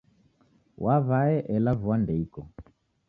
Waw'ae ela vua ndeiko.